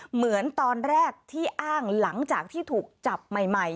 เหมือนตอนแรกที่อ้างหลังจากที่ถูกจับใหม่